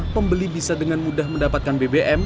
pembeli bisa dengan mudah mendapatkan bbm